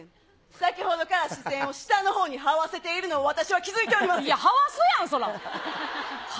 先ほどから視線を下のほうにはわせているのを、私は気付いておりいや、はわすやん、それは。